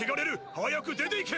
早く出ていけ！！